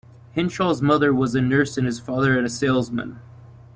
Henshall's mother was a nurse and his father a salesman.